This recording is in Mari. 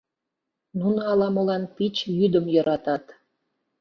Нуно ала-молан пич йӱдым йӧратат.